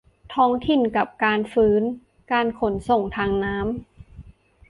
ท้องถิ่นกับการฟื้นการขนส่งทางน้ำ